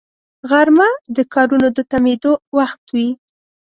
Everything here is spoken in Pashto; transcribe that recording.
غرمه د کارونو د تمېدو وخت وي